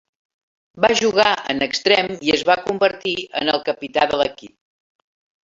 Va jugar en extrem i es va convertir en el capità de l'equip.